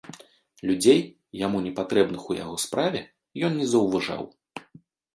Людзей, яму непатрэбных у яго справе, ён не заўважаў.